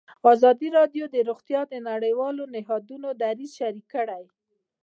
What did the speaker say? ازادي راډیو د روغتیا د نړیوالو نهادونو دریځ شریک کړی.